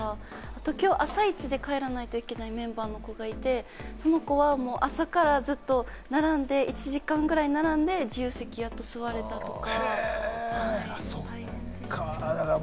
きょう朝一で帰らないといけないメンバーの子がいて、その子は朝からずっと並んで１時間ぐらい並んで、自由席やっと座れたとか。